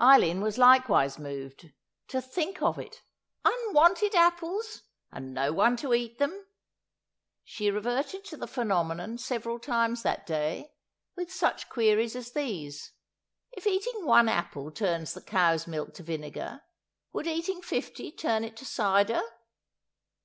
Eileen was likewise moved. To think of it—unwanted apples! And no one to eat them! She reverted to the phenomenon several times that day, with such queries as these:—If eating one apple turns the cow's milk to vinegar, would eating fifty turn it to cider?